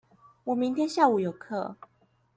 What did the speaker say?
我明天下午有課